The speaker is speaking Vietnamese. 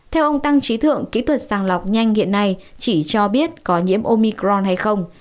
theo ông tăng trí thượng kỹ thuật sàng lọc nhanh hiện nay chỉ cho biết có nhiễm omicron hay không